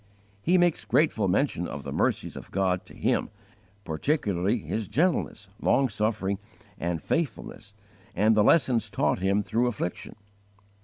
He makes grateful mention of the mercies of God, to him, particularly His gentleness, long suffering, and faithfulness and the lessons taught him through affliction.